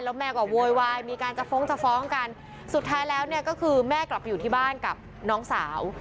แล้วแม่ก็โวยวายมีการจะฟ้องจะฟ้องกันสุดท้ายแล้วเนี่ยก็คือแม่กลับไปอยู่ที่บ้านกับน้องสาว